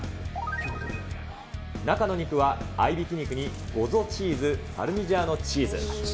中の肉は、合いびき肉にゴゾチーズ、パルミジャーノチーズ。